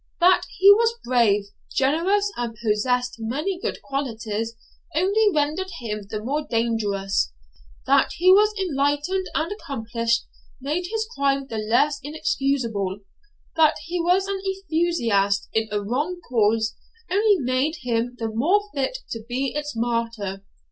That he was brave, generous, and possessed many good qualities only rendered him the more dangerous; that he was enlightened and accomplished made his crime the less excusable; that he was an enthusiast in a wrong cause only made him the more fit to be its martyr.